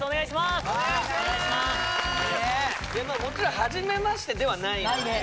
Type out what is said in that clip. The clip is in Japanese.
もちろんはじめましてではないんだよね